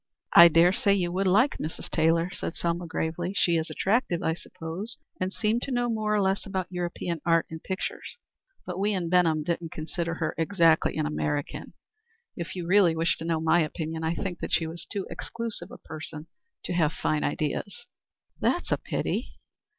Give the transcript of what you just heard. "I dare say you would like Mrs. Taylor," said Selma, gravely. "She is attractive, I suppose, and seemed to know more or less about European art and pictures, but we in Benham didn't consider her exactly an American. If you really wish to know my opinion, I think that she was too exclusive a person to have fine ideas." "That's a pity."